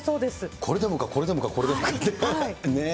これでもか、これでもか、これでもかってね。